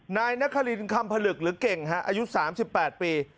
นายนครินคำผลึกหรือเก่งอายุ๓๘ปี